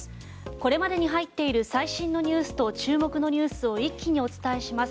これまでに入っている最新ニュースと注目ニュースを一気にお伝えします。